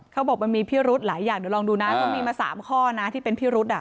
เขาบอกมันมีพิรุธหลายอย่างเดี๋ยวลองดูนะเขามีมา๓ข้อนะที่เป็นพิรุษ